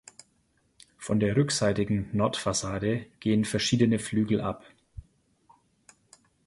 Von der rückseitigen Nordfassade gehen verschiedene Flügel ab.